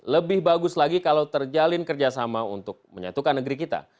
lebih bagus lagi kalau terjalin kerjasama untuk menyatukan negeri kita